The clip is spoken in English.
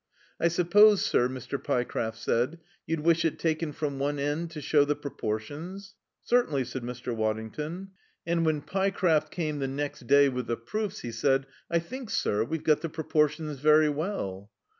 "I suppose, sir," Mr. Pyecraft said, "you'd wish it taken from one end to show the proportions?" "Certainly," said Mr. Waddington. And when Pyecraft came the next day with the proofs he said, "I think, sir, we've got the proportions very well."